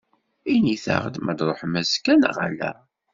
Init-aɣ-d ma ad d-truḥem azekka neɣ ala.